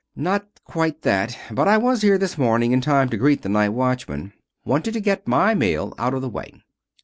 "Not quite that. But I was here this morning in time to greet the night watchman. Wanted to get my mail out of the way."